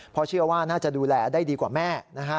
เพราะเชื่อว่าน่าจะดูแลได้ดีกว่าแม่นะฮะ